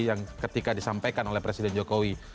yang ketika disampaikan oleh presiden jokowi